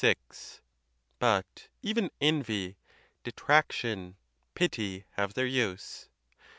151 XXVI. But even envy, detraction, pity, have their use.